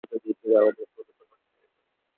বদরের দিন কি তা আমাদের কোন উপকার করতে পেরেছে?